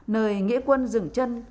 nơi nghĩa quân dừng chân